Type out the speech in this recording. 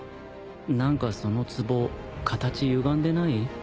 何かその壺形ゆがんでない？